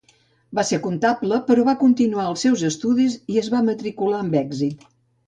Va ser comptable però va continuar els seus estudis i es va matricular amb èxit.